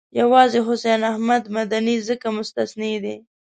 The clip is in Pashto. یوازې حسین احمد مدني ځکه مستثنی دی.